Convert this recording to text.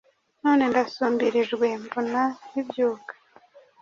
None ndasumbilijwe, mvuna nkibyuka